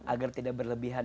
agar tidak berlebihan